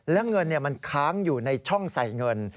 และเงินมันค้างอยู่ในช่องใส่เงิน